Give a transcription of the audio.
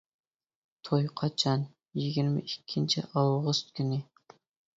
توي قاچان؟ -يىگىرمە ئىككىنچى ئاۋغۇست كۈنى.